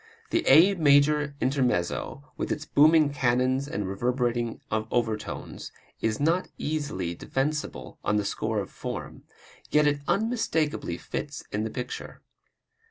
The A major intermezzo, with its booming cannons and reverberating overtones, is not easily defensible on the score of form, yet it unmistakably fits in the picture.